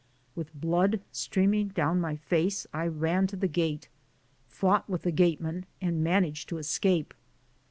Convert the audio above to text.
With blood streaming down my face I ran to the gate, fought with the gateman and man aged to escape.